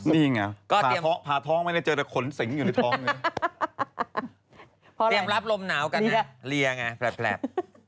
นี่ไงพาท้องไม่ได้เจอแต่ขนสิงอยู่ในท้องพออะไรเตรียมรับลมหนากันนะเรียงอ่ะแปลบ